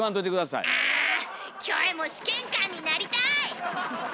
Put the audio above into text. あキョエも試験官になりたい！